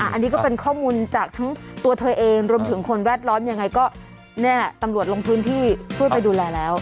อันนี้ก็เป็นข้อมูลจากทั้งตัวเธอเองรวมถึงคนแวดล้อมยังไงก็เนี่ยตำรวจลงพื้นที่ช่วยไปดูแลแล้ว